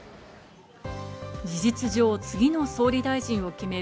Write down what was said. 事実上、次の総理大臣を決める